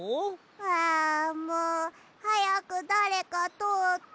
あもうはやくだれかとおって。